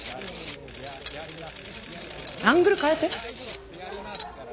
アングル変えて。